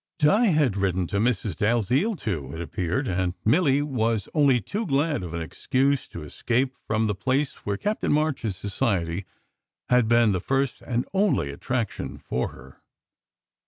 Di had written to Mrs. Dalziel, too, it appeared, and Milly was only too glad of an excuse to escape from the the place where Captain March s society had been the first and only attraction for her.